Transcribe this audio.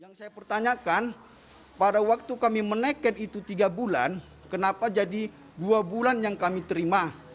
yang saya pertanyakan pada waktu kami meneken itu tiga bulan kenapa jadi dua bulan yang kami terima